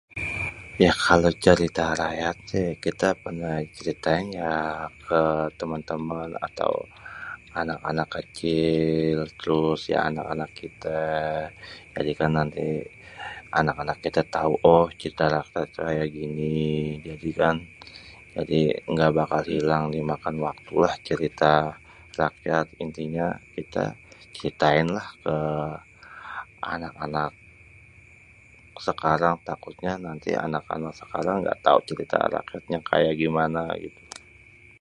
Yah kalo cerita rakyat sih kita pernah ceritain ya ke temen-temen atau anak-anak kecil, terus ya anak-anak kita. Jadi kan nanti anak-anaknya teh tau, oh cerita rakyat kayak gini. Jadi kan jadi nggak bakal hilang dimakan waktulah cerita rakyat. Intinya kita ceritainlah ke anak-anak sekarang takutnya nanti anak-anak sekarang nggak tau cerita rakyatnya begimana kayak gimana gitu.